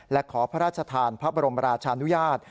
และขอพระราชทานพระบรมราชานุญาต